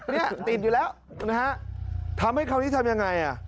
เนี่ยติดอยู่แล้วทำให้คราวนี้ทำอย่างไร